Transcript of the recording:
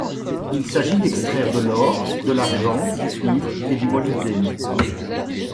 Il s'agit d'extraire de l'or, de l'argent, du cuivre et du molybdène.